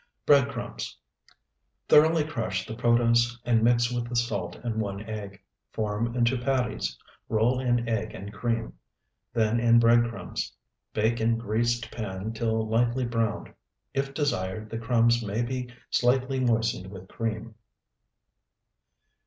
Bread crumbs. Thoroughly crush the protose and mix with the salt and one egg. Form into patties, roll in egg and cream, then in bread crumbs. Bake in greased pan till lightly browned. If desired, the crumbs may be slightly moistened with cream.